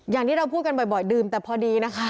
อย่างที่เราพูดกันบ่อยดื่มแต่พอดีนะคะ